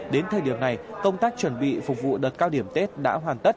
đến thời điểm này công tác chuẩn bị phục vụ đợt cao điểm tết đã hoàn tất